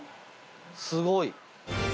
すごい！